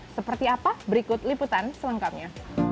seperti apa berikut liputan selengkapnya